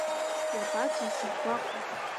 Иабацеи зыбгәахәуа?